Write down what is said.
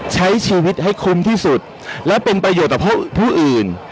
ใช้ชีวิตให้คุ้มที่สุดและเป็นประโยชน์ต่อผู้อื่น